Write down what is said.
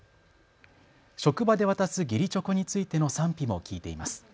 職場で渡す義理チョコについての賛否も聞いています。